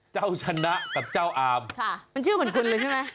เจ้าชนะกับเจ้าอามค่ะมันชื่อเหมือนคุณเลยใช่ไหม